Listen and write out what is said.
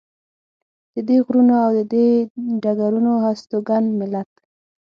د دې غرونو او دې ډګرونو هستوګن ملت.